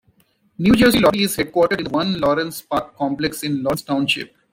New Jersey Lottery is headquartered in the One Lawrence Park Complex in Lawrence Township.